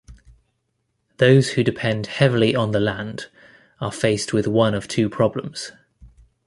Those who depend heavily on the land are faced with one of two problems.